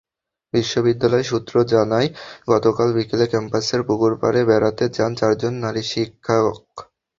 বিশ্ববিদ্যালয় সূত্র জানায়, গতকাল বিকেলে ক্যাম্পাসের পুকুরপাড়ে বেড়াতে যান চারজন নারী শিক্ষক।